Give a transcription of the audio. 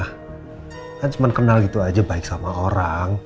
kan cuman kenal gitu aja baik sama orang